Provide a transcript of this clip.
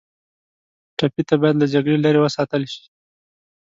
ټپي ته باید له جګړې لرې وساتل شي.